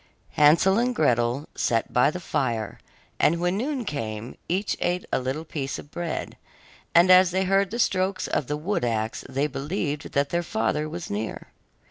Hansel and Gretel sat by the fire, and when noon came, each ate a little piece of bread, and as they heard the strokes of the wood axe they believed that their father was near.